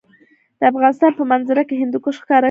د افغانستان په منظره کې هندوکش ښکاره ده.